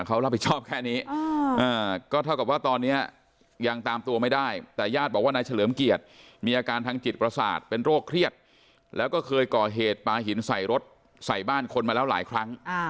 เขารับผิดชอบแค่นี้ก็เท่ากับว่าตอนนี้ยังตามตัวไม่ได้แต่ญาติบอกว่านายเฉลิมเกียรติมีอาการทางจิตประสาทเป็นโรคเครียดแล้วก็เคยก่อเหตุปลาหินใส่รถใส่บ้านคนมาแล้วหลายครั้ง